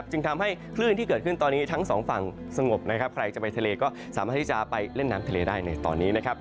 จึงทำให้คลื่นที่เกิดขึ้นตอนนี้ทั้งสองฝั่งสงบนะครับใครจะไปทะเลก็สามารถที่จะไปเล่นน้ำทะเลได้ในตอนนี้นะครับ